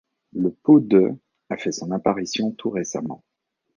Le pot de a fait son apparition tout récemment.